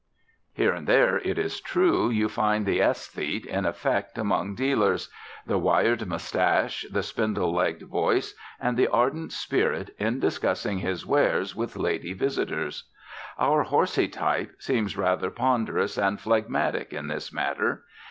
Here and there, it is true, you find the aesthete in effect among dealers: the wired moustaches, the spindle legged voice, and the ardent spirit in discussing his wares with lady visitors. Our horsey type seems rather ponderous and phlegmatic in this matter.